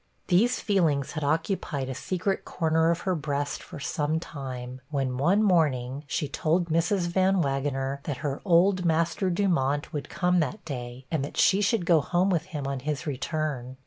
These feelings had occupied a secret corner of her breast for some time, when, one morning, she told Mrs. Van Wagener that her old master Dumont would come that day, and that she should go home with him on his return.